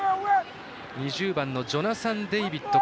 ２０番のジョナサン・デイビッド